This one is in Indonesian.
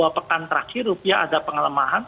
satu dua pekan terakhir rupiah ada penglemahan